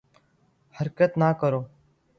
حرکت نہ کرو